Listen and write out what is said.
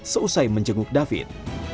seusai menjenguk david